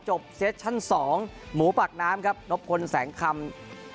เซสชั่น๒หมูปากน้ำครับนบพลแสงคำ